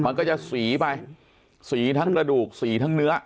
มันก็จะสีไปสีทั้งกระดูกสีทั้งเนื้อ